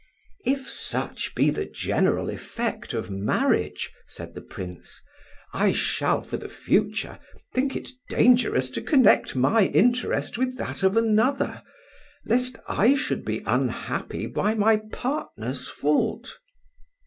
"If such be the general effect of marriage," said the Prince, "I shall for the future think it dangerous to connect my interest with that of another, lest I should be unhappy by my partner's fault."